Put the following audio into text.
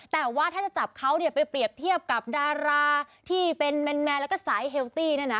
แต่ว่าถ้าจะจับเขาเนี่ยไปเปรียบเทียบกับดาราที่เป็นแมนแล้วก็สายเฮลตี้เนี่ยนะ